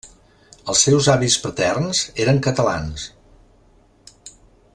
Els seus avis paterns eren catalans.